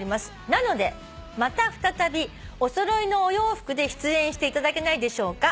「なのでまた再びお揃いのお洋服で出演していただけないでしょうか」